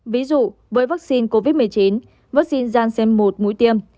ví dụ với vắc xin covid một mươi chín vắc xin gian xem một mũi tiêm